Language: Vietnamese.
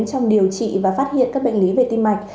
trong điều trị và phát hiện các bệnh lý về tim mạch